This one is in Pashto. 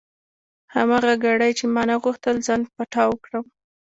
هماغه ګړۍ چې ما غوښتل ځان پټاو کړم.